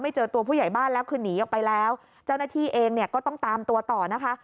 เจอตัวผู้ใหญ่บ้านแล้วคือหนีออกไปแล้วเจ้าหน้าที่เองเนี่ยก็ต้องตามตัวต่อนะคะ